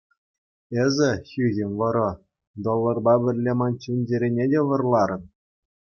Эсӗ, хӳхӗм вӑрӑ, долларпа пӗрле ман чун-чӗрене те вӑрларӑн.